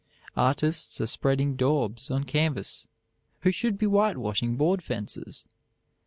Artists are spreading "daubs" on canvas who should be whitewashing board fences.